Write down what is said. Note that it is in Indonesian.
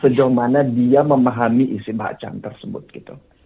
sejauh mana dia memahami isi bacaan tersebut gitu